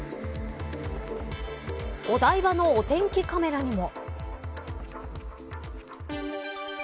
お台場のお天気カメラにも。